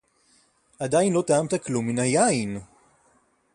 עדיין לא טעמת כלום מן היין!